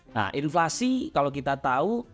nah inflasi kalau kita tahu